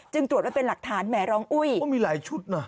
จึงตรวจว่าเป็นหลักฐานแหมรองอุ้ยมีหลายชุดน่ะ